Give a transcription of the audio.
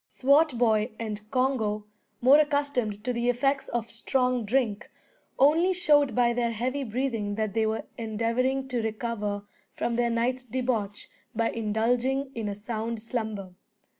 Swartboy and Congo, more accustomed to the effects of strong drink, only showed by their heavy breathing that they were endeavouring to recover from their night's debauch by indulging in a sound slumber.